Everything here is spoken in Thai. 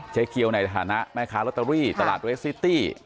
เกียวในฐานะแม่ค้าลอตเตอรี่ตลาดเรสซิตี้